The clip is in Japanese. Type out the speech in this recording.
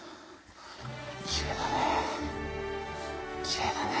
きれいだね。